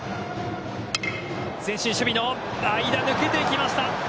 前進守備の間を抜けていきました。